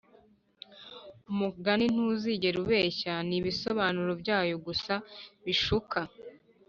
umugani ntuzigera ubeshya, ni ibisobanuro byayo gusa bishuka